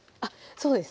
そうです